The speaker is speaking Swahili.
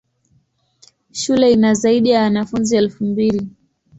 Shule ina zaidi ya wanafunzi elfu mbili.